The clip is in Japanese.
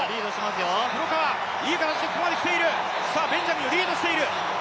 いい形でここまで来ている、ベンジャミンをリードしている。